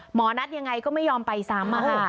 หมอนัทยังไงก็ไม่ยอมไปซ้ำ